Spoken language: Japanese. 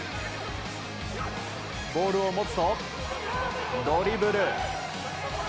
ボールを持つと、ドリブル。